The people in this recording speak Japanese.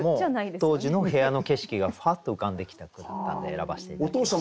当時の部屋の景色がふわっと浮かんできた句だったんで選ばせて頂きました。